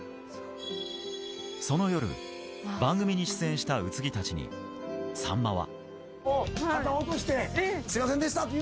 その夜、番組に出演した宇津木たちに、さんまは。